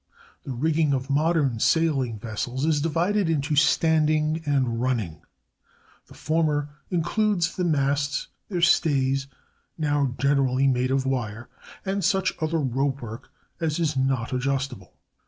The rigging of modern sailing vessels is divided into "standing" and "running"; the former includes the masts, their stays, now generally made of wire, and such other rope work as is not adjustable.